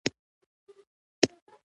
پخو خوراکونو مېلمانه خوښوي